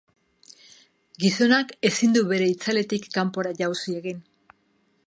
Gizonak ezin du bere itzaletik kanpora jauzi egin.